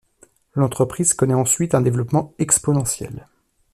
L’entreprise connait ensuite un développement exponentiel.